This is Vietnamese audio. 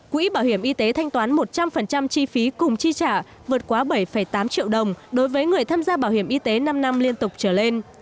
quỹ bảo hiểm y tế thanh toán một trăm linh chi phí cùng chi trả vượt quá bảy tám triệu đồng đối với người tham gia bảo hiểm y tế năm năm liên tục trở lên